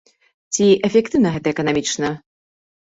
Ці эфектыўна гэта эканамічна?